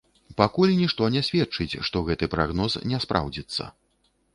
Пакуль нішто не сведчыць, што гэты прагноз не спраўдзіцца.